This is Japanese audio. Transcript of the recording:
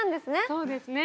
そうですね。